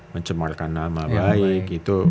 mencemarkan nama baik gitu